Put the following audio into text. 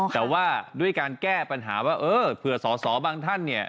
แต่ว่าด้วยการแก้ปัญหาว่าเผื่อสอบางท่าน